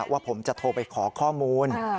ว่าผมจะโทรไปขอข้อมูล